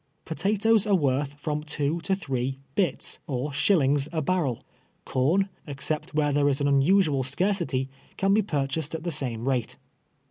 Potatoes are worth from two to three "bits," or shillings a bai'rel ; corn, except when there is an unusual scarcity, can be purchased at the same rate.